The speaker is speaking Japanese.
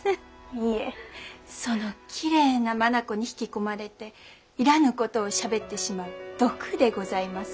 いえそのきれいな眼に引き込まれていらぬことをしゃべってしまう毒でございます。